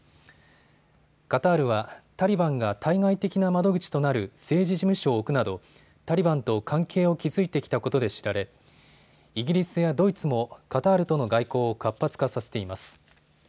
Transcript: カタールは、タリバンが対外的な窓口となる政治事務所を置くなどタリバンと関係を築いてきたことで知られイギリスやドイツもカタールとの外交を活発化させています。